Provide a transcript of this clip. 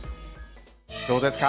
どうですか？